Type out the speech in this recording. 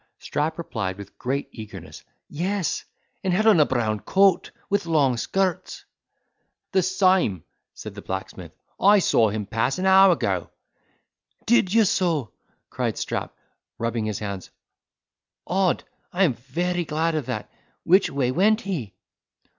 Strap replied with great eagerness, "Yes, and had on a brown coat, with long skirts." "The same!" said the blacksmith. "I saw him pass by an hour ago," "Did you so?" cried Strap, rubbing his hands, "Odd! I am very glad of that—which way went he?"